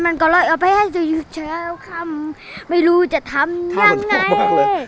มันก็เลยเอาไปให้จะหยุดเช้าค่ำไม่รู้จะทำยังไง